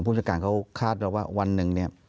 ผู้จักรการเขาคาดว่าวันหนึ่ง